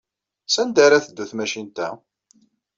Sanda ara teddu tmacint-a?